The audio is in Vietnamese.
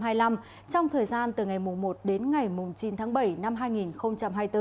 trong thời gian từ ngày một đến ngày chín tháng bảy năm hai nghìn hai mươi bốn